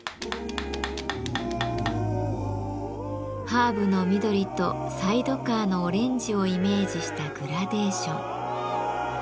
ハーブの緑とサイドカーのオレンジをイメージしたグラデーション。